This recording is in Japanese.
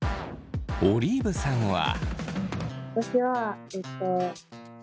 オリーブさんは。